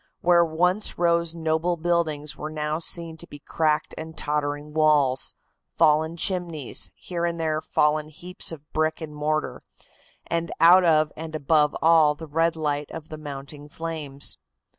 Where once rose noble buildings were now to be seen cracked and tottering walls, fallen chimneys, here and there fallen heaps of brick and mortar, and out of and above all the red light of the mounting flames.